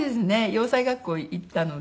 洋裁学校行ったので。